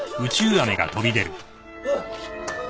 おい？